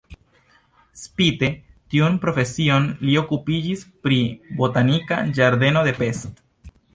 Spite tiun profesion li okupiĝis pri botanika ĝardeno de Pest.